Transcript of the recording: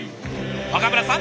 岡村さん